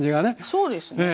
そうですね。